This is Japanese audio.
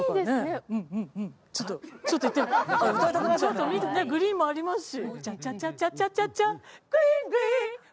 ちょっとグリーンもありますし。